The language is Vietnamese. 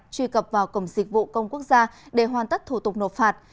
truy cập vào cổng dịch vụ công quốc gia để hoàn tất thủ tục nộp phạt